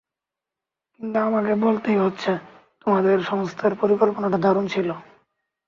কিন্তু আমাকে বলতেই হচ্ছে, তোমাদের সংস্থার পরিকল্পনাটা দারুণ ছিল।